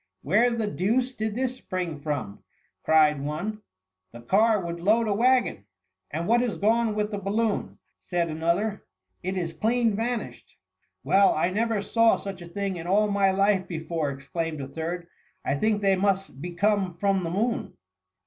" Where the deuce did this spring from .^'' cried one ;" the car would load a waggon r 198 T6E BlUMMY. " And what is gone with the balloon ?" said another ;^* it is clean vanished !^" Well, I never saw such a thing in all my Mk before T exclaimed a third ;" I think they must be come from the moon.'"